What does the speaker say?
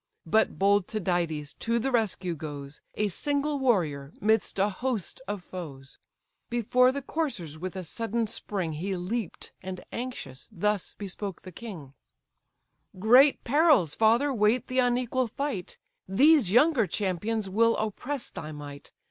But bold Tydides to the rescue goes, A single warrior midst a host of foes; Before the coursers with a sudden spring He leap'd, and anxious thus bespoke the king: "Great perils, father! wait the unequal fight; These younger champions will oppress thy might.